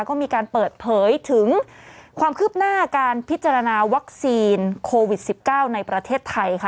ก็มีการเปิดเผยถึงความคืบหน้าการพิจารณาวัคซีนโควิด๑๙ในประเทศไทยค่ะ